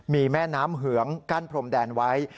มีแม่น้ำเหืองกั้นพรมแดนไว้